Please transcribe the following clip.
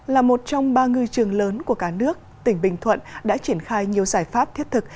là một trong ba ngư trường lớn của cả nước tỉnh bình thuận đã triển khai nhiều giải pháp thiết thực